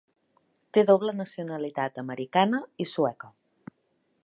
Té doble nacionalitat americana i sueca.